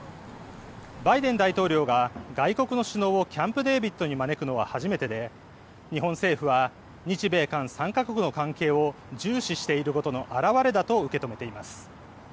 バイデン大統領が外国の首脳をキャンプ・デービッドに招くのは初めてで日本政府は日米韓３か国の関係を重視していることの表れだと受け止めています。